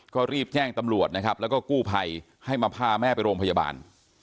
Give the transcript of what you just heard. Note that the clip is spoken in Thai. ก็รีบแจ้งตำรวจนะครับแล้วก็กู้ภัยให้มาพาแม่ไปโรงพยาบาล